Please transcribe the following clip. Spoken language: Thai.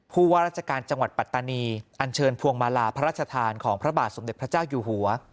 ว่าราชการจังหวัดปัตตานีอันเชิญพวงมาลาพระราชทานของพระบาทสมเด็จพระเจ้าอยู่หัว